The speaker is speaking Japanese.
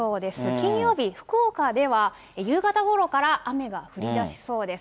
金曜日、福岡では夕方ごろから雨が降りだしそうです。